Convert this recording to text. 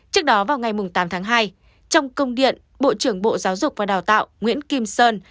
trước đó vào ngày tám tháng hai trong công điện bộ trưởng bộ giáo dục và đào tạo nguyễn kim sơn